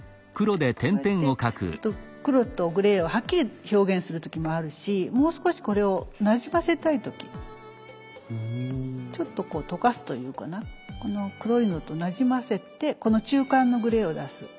こうやって黒とグレーをはっきり表現する時もあるしもう少しこれをなじませたい時ちょっとこう溶かすというかなこの黒いのとなじませてこの中間のグレーを出す。